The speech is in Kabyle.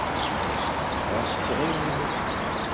Ɣas ɣiwlet.